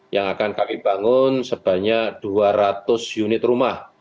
yang akan kami bangun sebanyak dua ratus unit rumah